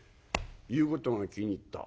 「言うことが気に入った。